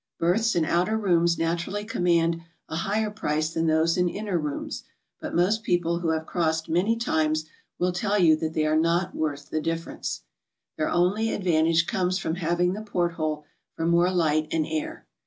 Berths in outer rooms naturally command a higher price than those in inner rooms, but most people who have crossed many times will tell you they are not worth the dif ference. Their only advantage comes from having the port hole for more light and air.